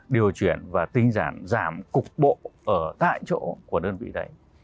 điều chuyển và tinh giản giảm cục bộ ở tại chỗ của đơn vị đấy